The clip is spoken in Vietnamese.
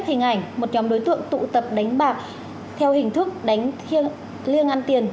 tiếp hình ảnh một nhóm đối tượng tụ tập đánh bạc theo hình thức đánh liêng ăn tiền